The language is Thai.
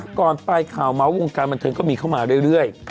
ก่อนปลายข่าวเมาส์วงการบันเทิงก็มีเข้ามาเรื่อย